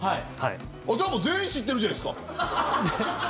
じゃあもう全員知ってるじゃないですか！